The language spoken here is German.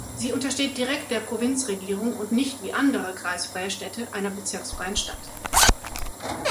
Sie untersteht direkt der Provinzregierung und nicht wie andere kreisfreie Städte einer bezirksfreien Stadt.